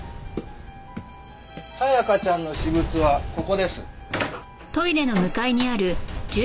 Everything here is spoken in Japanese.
沙也加ちゃんの私物はここです。